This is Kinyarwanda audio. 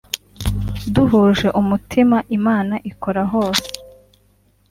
duhuje umutima Imana ikora hose